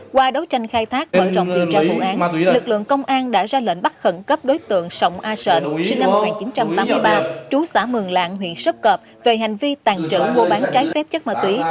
qua đấu tranh khai thác mở rộng điều tra vụ án lực lượng công an đã ra lệnh bắt khẩn cấp đối tượng sông a sợn sinh năm một nghìn chín trăm tám mươi ba trú xã mường lạng huyện sốp cợp về hành vi tàn trữ mua bán trái phép chất ma túy